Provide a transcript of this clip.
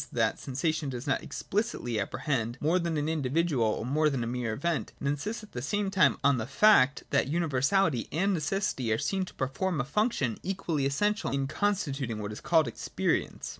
that sensation does not expHcitly apprehend more than an individual ^ or more than a mere event, it insists at the same time on the fact that universahty and necessity are seen to perform a function equally essential in constituting what is called experience.